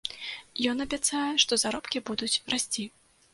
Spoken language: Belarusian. Ён абяцае, што заробкі будуць расці.